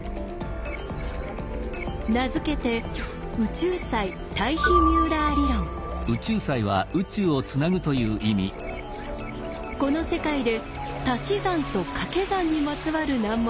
名付けてこの世界でたし算とかけ算にまつわる難問